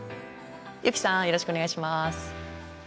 ユキさんよろしくお願いします。